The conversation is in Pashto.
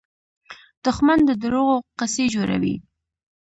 دښمن د دروغو قصې جوړوي